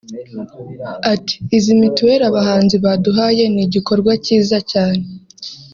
Ati “Izi mituelle abahanzi baduhaye ni igikorwa cyiza cyane